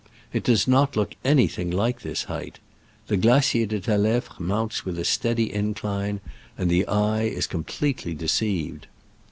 It does not look anything like this height. The Glacier de Talefre mounts with a steady incline, and the eye is completely de ceived.